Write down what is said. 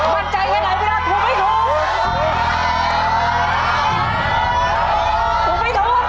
บันใจให้ไหนพี่รถถูกไม่ถูก